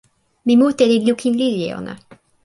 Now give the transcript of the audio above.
mi mute li lukin lili e ona.